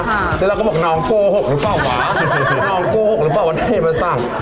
แล้วเราก็บอกน้องโกหกหรือเปล่าวะน้องโกหกหรือเปล่าวันนี้มาสั่ง